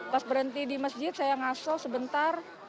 pas berhenti di masjid saya ngaso sebentar